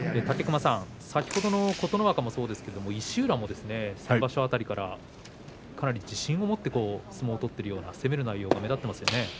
武隈さん、先ほどの琴ノ若もそうですけれども石浦も先場所辺りからかなり自信を持って相撲を取っているような、攻める内容が目立っていますね。